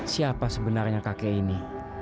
siapa sebenarnya kakek ini